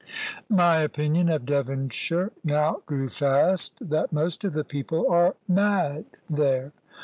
My opinion of Devonshire now grew fast that most of the people are mad there.